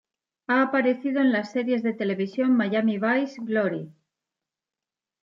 Ha aparecido en las series de televisión "Miami Vice, Glory!